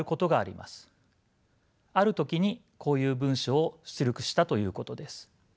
ある時にこういう文章を出力したということです。